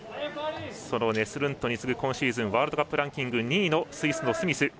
そのネスルントに次ぐ今シーズンワールドカップランキング２位のスイスのスミス。